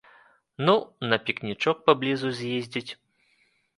Ну, на пікнічок паблізу з'ездзіць.